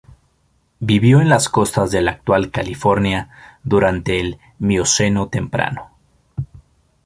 Vivió en las costas de la actual California durante el Mioceno Temprano.